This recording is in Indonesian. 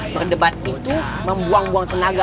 berdebat itu membuang buang tenaga